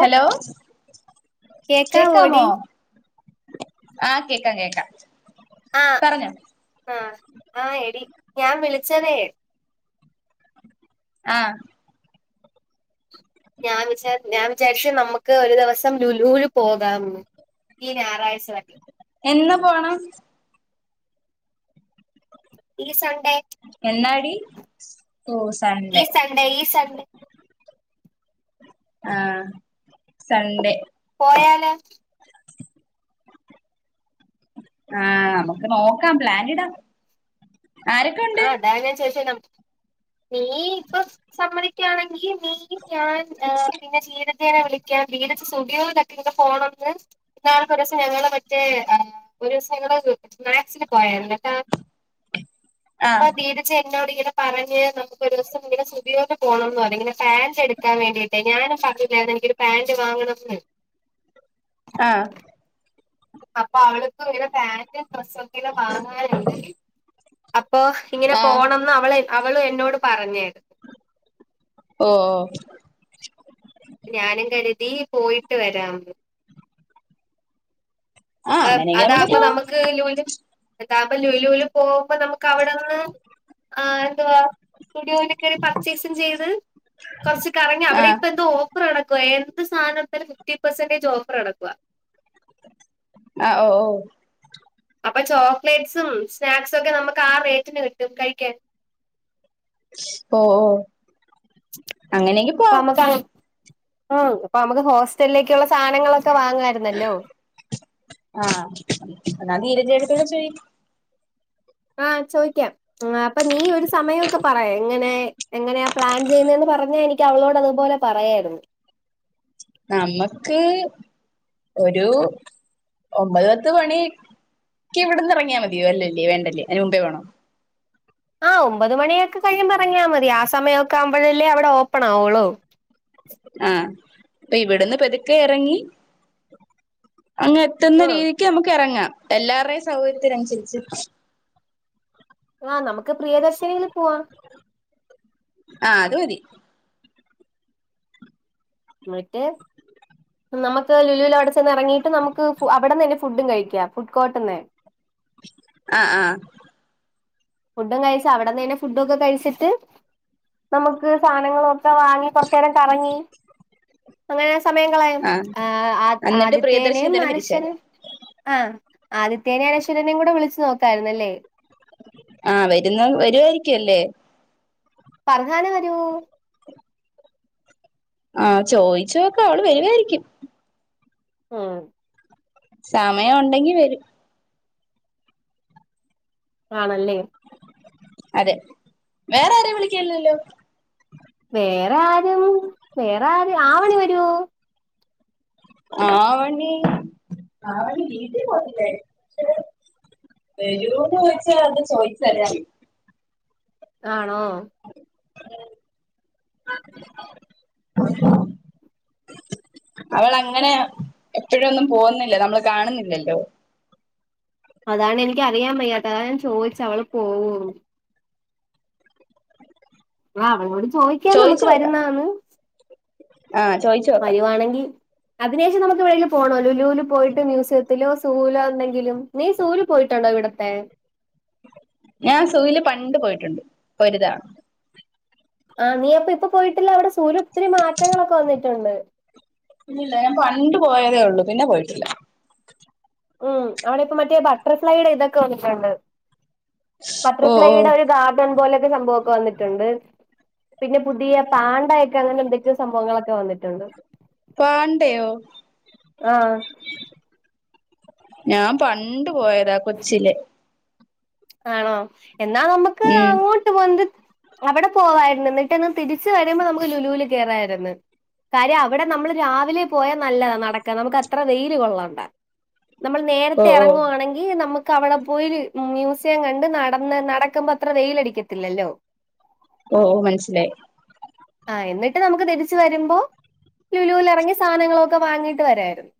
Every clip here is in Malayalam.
ഹലോ കേക്കാവോടി കേക്കാമോ ആഹ് കേക്കാം കേക്കാം ആഹ് പറഞ്ഞോ ആഹ് ആഹ് എടി ഞാ വിളിച്ചതേ ആഹ് ഞാൻ വിചാ ഞാൻ വിചാര്ച്ച നമുക്ക് ഒരു ദിവസം ലുലൂല് പോകാം ന്ന് ഈ ഞായറാഴ്ച വ എന്ന് പോണം ഈ സൺഡേ എന്നാടി ഓഹ് സൺഡേ [unintelligible] സൺഡേ ആഹ് സൺഡേ പോയാലോ ആഹ് നമുക്ക് നോക്കാം പ്ലാനിടാം ആരൊക്കെ ഉണ്ട് ആഹ് അതാ ഞാൻ ചോയ്ച്ചേ ഞ നീ ഇപ്പൊ സമ്മതിക്കാണെങ്കി നീ ഞാൻ പിന്നെ സീനത്തേനെ വിളിക്കാം. [unintelligible] ഫോണൊട്ക്ക് ന്നാൾക്ക് ഒരൂസം ഞങ്ങള് മറ്റേ ഒരൂസം ഞങ്ങള് മാക്സില് പോയാര്ന്നു ട്ടാ ആ അപ്പൊ ബീനച്ച എന്നോട് ഇങ്ങനെ പറഞ്ഞ്‌ നമു ക്ക് ഒരൂസം ഇങ്ങനെ സുഡിയോല് പോണംന്നർഞ്ഞ്‌ ഇങ്ങനെ പാന്റ് എടുക്കാൻ വേണ്ടിയിട്ട് ഞാനും [unintelligible] എനിക്കൊരു പാന്റ് വാങ്ങണം ന്ന് ആഹ് അപ്പൊ അവൾക്ക് ഇങ്ങനെ പാന്റും ഡ്രസ്സൊക്കെല്ലാം വാങ്ങാനുണ്ട് അപ്പൊ ഇങ്ങനെ ആ പോണംന്ന് അവളെ അവളും എന്നോട് പറഞ്ഞ്‌ ഓഹ് ഞാനും കരുതി പോയിട്ട് വരാം ന്ന് ആ അ അങ്ങനെയെങ്കി അതാമ്പം പോവാം നമുക്ക് ലുല് അതാമ്പ ലുലുല് പോമ്പോ നമുക്ക് അവിടെന്ന് ആ എന്തുവാ സുടിയോല് ക്കേറി പർച്ചേസും ചെയ്ത് കൊർച്ച് കറങ്ങി ആ അവിടെ ഇപ്പ എന്തോ ഓ ഫറടക്കുവാ എന്ത് സാനട്ത്താലും ഫിഫ്റ്റി പേസന്റേജ് ഓഫറടക്കുവാ അഹ് ഓഹ് ഓഹ് അപ്പൊ ചോക്ലേറ്റ്സും സ്നാക്സും ഒക്കെ നമുക്ക് ആ റേറ്റിന് കിട്ടും കഴിക്കാൻ ഓഹ് ഓഹ് പ്പ മ്മക്ക് പ്പ മ്മക്ക് ഹോസ്റ്റലിലേക്കുള്ള സാനങ്ങളൊക്കെ വാങ്ങായിരുന്നല്ലോ ആഹ് എന്നാ നീരജേടത്തിയോട് ചോയി ആഹ് ചോയ്ക്കാം അപ്പൊ നീ ഒരു സമയംക്കെ പറയ് എങ്ങനെ എങ്ങനെയാ പ്ലാൻ ചെയ്യുന്നേന്ന് പറഞ്ഞാ എനിക്ക് അവളോട് അതുപോലെ പറയായിര്ന്നു നമക്ക് ഒരു ഒമ്പത് പത്ത് മണി ക്ക്യ് ഇവട്ന്നെറങ്ങിയാ മതിയൊ? അല്ലല്ലേ വേണ്ടല്ലേ അയിന് മുമ്പേ വേണോ. ആഹ് ഒമ്പത് മണിയൊക്കെ കഴിയുമ്പം ഇറങ്ങിയാ മതി. ആ സമയൊക്കെ ആവുമ്പഴല്ലേ അവടെ ഓപ്പണാവൊള്ളൂ. ആഹ്. അപ്പ ഇവിട്ന്ന് പെതുക്കെ ഇറങ്ങി അങ്ങെ ട്ടുന്ന ഉം രീതിക്ക് നമുക്ക് എറങ്ങാം. എല്ലാവർടേയും സൗകര്യത്തിനനുസരിച്ച്. ആഹ് നമുക്ക് പ്രിയദർശിനീല് പോവാ. ആഹ് അത് മതി. എന്നിട്ട് നമുക്ക് ലുലൂല് അവിടെ ചെന്ന് എറങ്ങീട്ട് നമുക്ക് അവിടെന്നന്നെ ഫുഡും കഴിക്കാ, ഫുഡ് കോർട്ട്ന്ന്. ആഹ് ആഹ് ഫുഡും കഴിച്ച്, അവിടന്നെന്നെ ഫുഡൊക്കെ കഴിച്ചിട്ട്, നമുക്ക് സാനങ്ങളു ഒക്കെ വാങ്ങി കൊറച്ചേരം കറങ്ങി അങ്ങനെ ആ സമയം കളായാം. ആഹ് എന്നിട്ട് പ്രിയദർശിനി ആദിത്യേനേം തന്നെ തിരിച്ചു വരാം അനുഷ്യനും ആഹ് ആദിത്യേനെ അനശ്വരനെം കൂടെ വിളിച്ച് നോക്കായിരുന്നല്ലേ. ആഹ് വരുന്ന് വരുവായിരിക്കും അല്ലേ. പറഞ്ഞാലെ വരൂ. ആഹ് ചോയിച്ചോക്ക് അവള് വരുവായിരിക്കും. ആഹ് സമയം ഉണ്ടെങ്കി വരും. ആണല്ലേ അതെ. വേറാരെയും വിളിക്ണില്ലല്ലോ. വേറെ ആരും, വേറെ ആര് ആവണി വരുവോ? ആവണി ആവണി വീട്ടി [unintelligible] വരുവോന്ന് ചോയിച്ചാ അത് ചോയിച്ചാല്ലേ അറിയു. ആണോ. [unintelligible] അവൾ അങ്ങനെ എപ്പഴൊന്നും പോകുന്നില്ല, നമ്മൾ കാണുന്നില്ലല്ലോ. അതാണ് എനിക്ക് അറിയാൻ വയ്യാത്ത, അതാ ഞാൻ ചോയിച്ച അവള് പോവോ. ആഹ് അവളോട് ചോയിക്കാം നമുക്ക് ചോദിച്ചു നോക്കാം വരുന്നോന്ന്. ആഹ് ചോയ്ച്ചു വരുവാണെങ്കി അതിനുശേഷം നമുക്ക് എവിടെയെങ്കിലും പോണോ ലുലൂല് പോയിട്ട് മ്യൂസിയത്തിലോ സൂലോ എന്തെങ്കിലും. നീ സൂവില് പോയിട്ടുണ്ടോ ഇവിടത്തെ? ഞാൻ സൂ വില് പണ്ട് പോയിട്ടുണ്ട് ഒരു ഒരു തവണ. ആഹ് നീ അപ്പൊ ഇപ്പൊ പോയിട്ടില്ല അവിടെ സൂ വില് ഒത്തിരി മാറ്റങ്ങളൊക്കെ വന്നിട്ടുണ്ട്. ഇല്ലില്ല. ഞാൻ പണ്ട് പോയതേ ഉള്ളൂ, പിന്നെ പോയിട്ടില്ല. ഉം അവിടെ ഇപ്പ മറ്റേ ബട്ടർഫ്ലൈയുടെ ഇതൊക്കെ വന്നിട്ടുണ്ട്. ഓ ഓ ബട്ടർഫ്ലൈയുടെ ഒരു ഗാർഡൻ പോലെയൊക്കെ സംഭവൊക്കെ വന്നിട്ടുണ്ട്. പിന്നെ പുതിയ പാണ്ടയൊക്കെ അങ്ങനെ എന്തൊക്കെയോ സംഭവങ്ങളൊക്കെ വന്നിട്ടുണ്ട്. പാണ്ടയോ. ആഹ് ഞാൻ പണ്ട് പോയതാ കൊച്ചിലെ. ആണോ, എന്നാ നമ്മക്ക് ഉം അങ്ങോ ട്ട് വന്ത് അവിടെ പോവായിരുന്നു, എന്നിട്ട്ന്ന് തിരിച്ച് വരുമ്പോ നമുക്ക് ലുലൂല് കേറായിരുന്നു. കാര്യം അവിടെ നമ്മൾ രാവിലെ പോയാ നല്ലതാ. നടക്ക. നമുക്ക് അത്ര വെയില് കൊള്ളണ്ട. നമ്മൾ ഓ നേരത്തെ ഓ എറങ്ങുവാണെങ്കി നമുക്കവടെ പോയൊര് മ്യൂസി സിയം കണ്ട് നടന്ന് നടക്കുമ്പത്ര വെയിലടിക്കത്തില്ലല്ലോ. ഓ ഓഹ് മൻസ്സിലായി. ആഹ് എന്നിട്ട് നമുക്ക് തിരിച്ചു വരുമ്പോ ലുലുലെറങ്ങി സാനങ്ങളൊക്കെ വാങ്ങിട്ട് വരായിരുന്നു.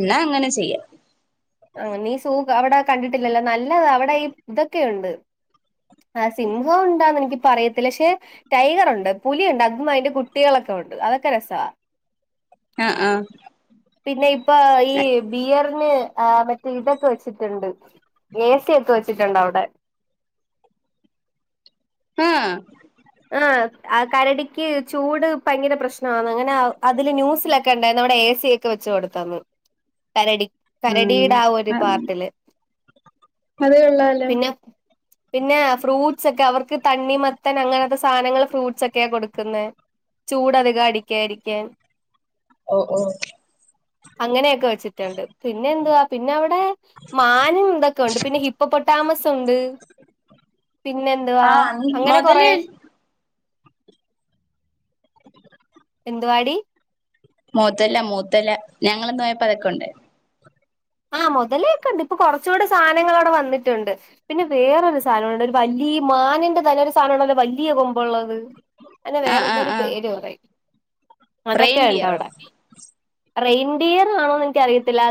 എന്നാ അങ്ങനെ ചെയ്യാ. ആഹ നീ സു അവിടെ കണ്ടിട്ടില്ലല്ലോ നല്ലതാ അവിടെ ഈ തൊക്കെയുണ്ട്. ആഹ് സിംഹം ഉണ്ടാന്നെനിക്കിപ്പറയത്തില്ല. പക്ഷെ ടൈഗറുണ്ട്. പുലിയുണ്ട്. അതും അയ്ന്റെ കുട്ടികളൊക്കെ ഉണ്ട്. അതൊക്കെ രസാ. ആഹ് ആഹ്. പിന്നെ ഇപ്പ ഈ ബിയർന് ആ മറ്റേ ഇതൊക്കെ വെച്ചിട്ട് ണ്ട്. എ സി ഒക്കെ വെച്ചിട്ടുണ്ട വടെ. അആഹ്. ആഹ്. ആ കരടിക്ക് ചൂട് ഭയങ്കര പ്രശ്നമാന്ന്. അങ്ങനെ അതില് ന്യൂസിലൊക്കെ ണ്ടായ്ന്നു. അവടെ എ സി ക്കെ വെച്ച് കൊടുത്തന്ന്. കരടി കരടിടെ ആ ഒരു ആഹ് ആഹ് പാർട്ടില്. അത് കൊള്ളാലോ പിന്നെ പിന്നെ ഫ്രൂട്ട്സൊക്കെ അവർക്ക് തണ്ണിമത്തൻ അങ്ങന ത്തെ സാനങ്ങള് ഫ്രൂട്സൊക്കെയ കൊട്ക്ക്ന്നേ. ചൂടധികം അടിക്കായിരിക്കാൻ. ഓ ഓഹ്. അങ്ങനെയൊക്കെ വെച്ചിട്ടുണ്ട്. പിന്നെന്തുവാ? പിന്നെവടെ. മാനുംതൊക്കെണ്ട്. പിന്നെ ഹിപ്പൊ പൊട്ടാമസ്ണ്ട്. പിന്നെന്തുവാ? ആഹ് അങ്ങനെ കൊറെ. മൊതല് എന്തുവാടി? മൊതല മൊതല. ഞങ്ങളന്നോ യപ്പോ അതൊക്കെണ്ട്. ആഹ് മൊതലെയൊക്കെണ്ട്. ഇപ്പൊ കൊറച്ചൂടെ സാനങ്ങളവടെ വന്നിട്ടുണ്ട്. പിന്നെ വേറൊര് സാനം ഉണ്ട്. ഒരു വലിയ മാനിന്റെ തലൊരു സാനള്ളത് വലിയ കൊമ്പ്ള്ളത്. അയ്ന് ആഹ് ആഹ് വേറൊന്തോര് ആഹ് പേര് പറയും. അതൊക്കെ റെയിൻഡിയറോ ണ്ടവടെ. റെയിൻഡിയർ ആണോന്ന് എനിക്കറിയത്തില്ല.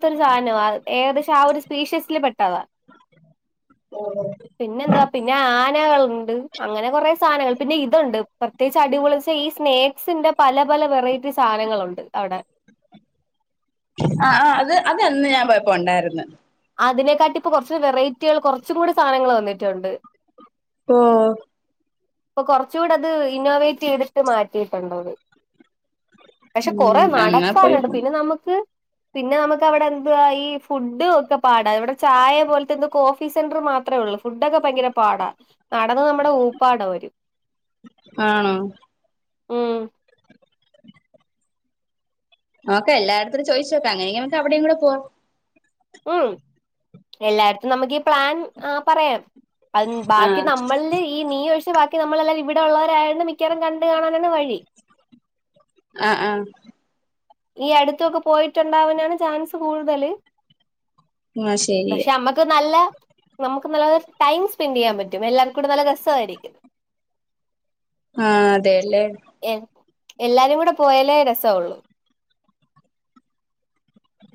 ത്തൊരു സാനവാ. ഏകദേശം ആ ഒരു സ്പീഷ്യസില് പെട്ടതാ. പിന്നെന്താ? പിന്നെ ആനകള്ണ്ട്. അങ്ങനെ കൊറെ സാനങ്ങള്. പിന്നെ ഇത്ണ്ട് പർ ത്യേകിച്ച് അടിപൊളി ച്ചാ ഈ സ്നേക്സിന്റെ പല പല വെറൈറ്റി സാനങ്ങളുണ്ട് അവടെ. ആഹ് ആഹ് അത് അതന്ന് ഞാൻ പോയപ്പോ ഒണ്ടായിര്ന്ന്. അതിനെക്കാട്ടിപ്പൊ കൊർച്ച് വെറൈറ്റികൾ കൊറച്ചു കൂടി സാനങ്ങള് വന്നിട്ട്ണ്ട്. ഓഹ്. പ്പൊ കൊർച്ചൂടത് ഇന്നോവേറ്റെയ്തിട്ട് മാറ്റിയിട്ട്ണ്ടത്. പക്ഷെ ഉം കൊറെ എന്നാ നടക്കാന്ണ്ട്. പോയി പിന്നെ നമുക്ക് പിന്നെ നമക്കവിടെ എന്തുവാ ഈ ഫുഡ് ഒക്കെ പാടാ. ഇവടെ ചായ പോൽത്തെ എന്തോ കോഫി സെന്റർ മാത്രേ ഉള്ളൂ. ഫുഡൊക്കെ ഭയങ്കര പാടാ. നടന്ന് നമ്മടെ ഊപ്പാടൊര് ആണോ? ഉം. നോക്ക എല്ലാരടത്തും ചോയ്ച്ചോക്ക. അങ്ങനെയെങ്കി നമക്കവടേം കൂടെ പോവാം. ഉം എല്ലാരട്ത്തും നമുക്കീ പ്ലാൻ ആ പറയാം. അഅ് ബാക്കി ആഹ് നമ്മൾല് ഈ നീ ഒഴിച്ച് ബാക്കി നമ്മളെല്ലാവരും ഇവിടെ ഒള്ളവരായോണ്ട് മിക്കവാറും കണ്ട് കാണാനാണ് വഴി. അ ആഹ്. ഈ അടുത്തൊക്കെ പോയിട്ടുണ്ടാവാനാണ് ചാൻസ് കൂടുതല്. ആഹ് ശരി പക്ഷെ അമ്മ ക്ക് നല്ല നമുക്ക് നല്ല ടൈം സ്പെൻഡെയ്യാൻ പറ്റും. എല്ലർക്കൂടെ നല്ല രസായിരിക്കും. ആഹ് അതെല്ലേ എ എല്ലാരും കൂടെ പോയാലേ രസാവുള്ളൂ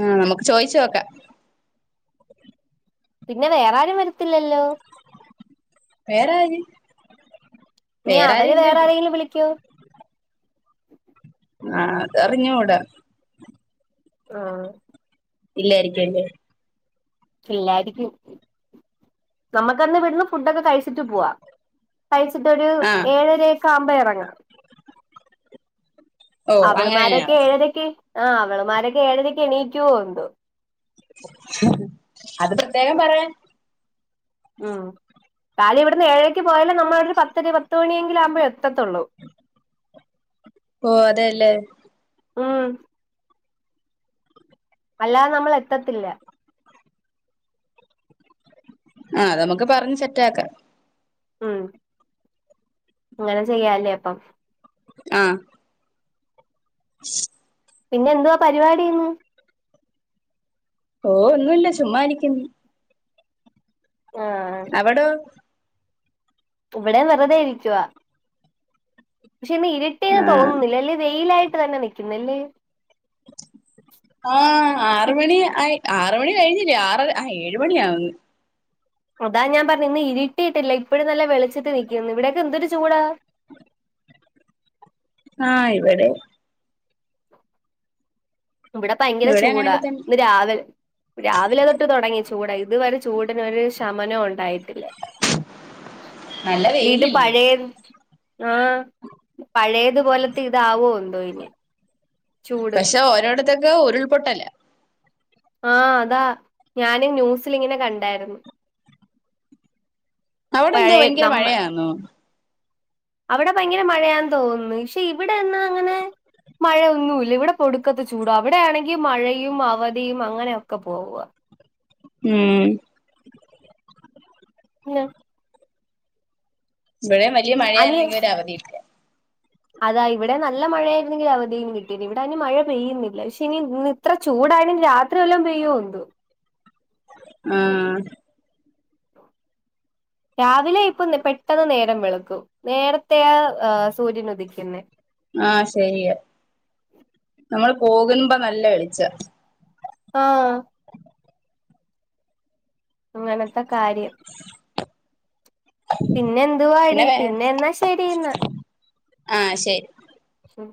ആഹ് നമ്മക്ക് ചോയ്ച്ചോക്കാ പിന്നെ വേറാരും വരത്തില്ലല്ലോ വേറാര് നി അവര് വേറാരെങ്കിലും വിളിക്കോ ആഹ് അതറിഞ്ഞൂട ആഹ് ഇല്ലായിരിക്കു അല്ലേ ഇല്ലായിരിക്കും നമുക്കന്ന് വിട്ന്ന് ഫുഡൊക്കെ കഴിച്ചിട്ട് പൂവാ കഴിച്ചിട്ടൊര് ആഹ് ഏഴരൊക്കെ ആവുമ്പോ ഇറങ്ങാം ഓ അങ്ങനെയാ അവള്മാരൊക്കെ ഏഴരക്ക് ആഹ് അവള്മാരൊക്കെ ഏഴരക്ക് എണീക്കുവോ എന്തോ അത് പ്രത്യേകം പറയാ ഉം കാലി ഇവിടുന്ന് ഏഴേക്ക് പോയാല നമ്മള ഒരു പത്തര പത്ത് മണിയെങ്കില ആകുമ്പോഴ എ എത്തത്തുള്ളൂ ഓ അതെല്ലേ ഉം അല്ലാതെ നമ്മൾ എത്തത്തില്ല ആഹ് അത് നമുക്ക് പറഞ്ഞ് സെറ്റ് ആക്കാം ഉം അങ്ങനെ ചെയ്യാലേ അപ്പം ആഹ് ഉ പിന്നെ എന്തുവാ പരിപാടിന്ന് ഓ ഒന്നുല്ല ചുമ്മാനിക്കുന്നു ആഹ് അവിടോ ഇവിടെ വെറുതെയിരിക്കുവ പക്ഷെ ഇന്ന് ഇരുട്ടേന്ന് ആഹ് തോന്നുന്നില്ല അല്ലേ വെയിലായിട്ട് തന്നെ നിക്കുന്നല്ലേ ആ ഹ്ആറ് മണി ആറ്മണി കഴിഞ്ഞില്ലേ ആറ് ആ ഏഴ മണിയ ആവന്ന് അതാ ഞാൻ പറഞ്ഞു ഇന്ന് ഇരിട്ടിയിട്ടില്ല ഇപ്പോഴും നല്ല വെളിച്ചിട്ട് നിൽക്കുന്നു ഇവിടൊക്കെ എന്തൊരു ചൂടാ ആഹ് ഇവിടെയും ഇവിടെ ഭയങ്കര ഇവിടെ ചൂടാ അങ്ങനെയൊക്കെ തന്നെ ഇന്ന് രാവിലെ രാവിലെ തൊട്ട് തുടങ്ങി ചൂട ഇതുവരെ ചൂടിന് ഒരു ശമനവും ഉണ്ടായിട്ടില്ല നല്ല വീട് വെയിലില്ലേ പഴയത് ആഹ് പഴയതു പോലത്തെ ഇതാവോ എന്തോ ഇനി ചൂട് പക്ഷെ ഓരോടത്തൊക്കെ ഉരുൾപൊട്ടല ആഹ് അതാ ഞാനും ന്യൂസൽങ്ങനെ കണ്ടായിരുന്നു അവിടെ എന്തോ പഴയ ഭയങ്കര നമ്മ മഴയാന്നോ അവിടെ ഭയങ്കര മഴയാന്ന് തോന്നുന്നു പക്ഷെ ഇവിടെന്നാ അങ്ങനെ മഴയൊന്നുല്ല ഇവിടെ പൊടുക്കത്ത ചൂട അവിടെയാണെങ്കിൽ മഴയും അവധിയും അങ്ങനെയൊക്കെ പോവുക ഉം ഉ ഇവിടെ വലിയ അനിയ മഴയണെങ്കിലിൽ ഒരു അവധിയിട്ട് അതാ ഇവിടെ നല്ല മഴ ആയിരുന്നെങ്കിൽ അവധിയും കി ഇവിടെ അയിന് മഴ പെയ്യുന്നില്ലാ ക്ഷെ ഇനി ഇന്ന് ഇത്ര ചൂടാണെങ്കി രാത്രി വല്ലോം പെയ്യോ എന്തോ ഉം രാവിലെ ഇപ്പൊ പെട്ടെന്ന് നേരം വെളുക്കും നേരത്തെയാ ഏഹ് സൂര്യൻ ഉദിക്കുന്നെ ആഹ് ശരിയാ നമ്മള് പോകുമ്പോ നല്ല വെളിച്ചാ ആഹ് അങ്ങനത്തെ കാര്യം പിന്നെ എന്തുവാടി പിന്നെ എന്നാ ശരിന്നാ ആഹ് ശരി എന്നാ